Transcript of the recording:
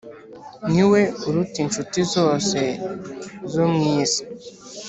Niwe uruta inshuti zose zo mu isi